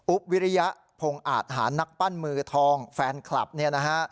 วิริยะพงอาทหารนักปั้นมือทองแฟนคลับเนี่ยนะฮะ